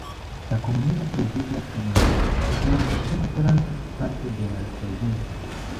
La komunumo troviĝas en la nord-centra parto de la provinco.